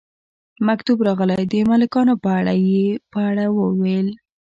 مکتوب راغلی د ملکانو په اړه، یې په اړه وویل.